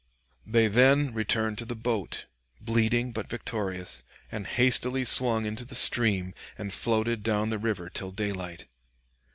They then returned to the boat, bleeding but victorious, and hastily swung into the stream and floated down the river till daylight.